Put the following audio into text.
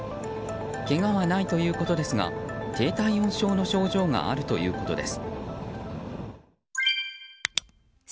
けがはないということですが低体温症の症状があるということです。